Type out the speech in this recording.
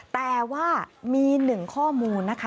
แต่ว่ามีหนึ่งข้อมูลนะคะ